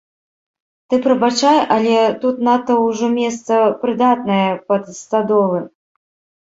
Ты прабачай, але тут надта ўжо месца прыдатнае пад стадолы.